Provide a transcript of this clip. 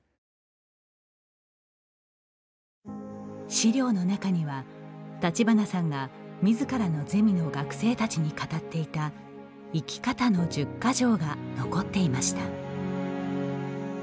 資料の中には立花さんがみずからのゼミの学生たちに語っていた「生き方の十箇条」が残っていました。